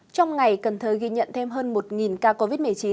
trong ngày cần thơ ghi nhận thêm hơn một ca covid một mươi chín